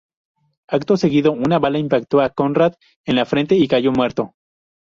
Acto seguido, una bala impactó a Conrad en la frente y cayó muerto.